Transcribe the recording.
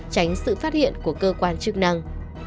tránh sự phát hiện của cơ quan chức năng